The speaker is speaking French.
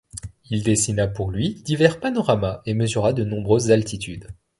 Il dessina pour lui divers panoramas et mesura de nombreuses altitudes.